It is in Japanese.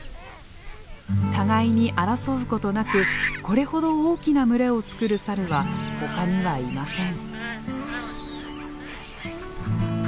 互いに争うことなくこれほど大きな群れを作るサルはほかにはいません。